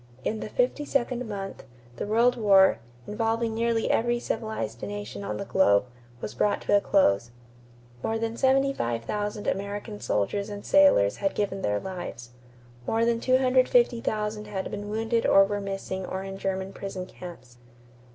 In the fifty second month, the World War, involving nearly every civilized nation on the globe, was brought to a close. More than 75,000 American soldiers and sailors had given their lives. More than 250,000 had been wounded or were missing or in German prison camps.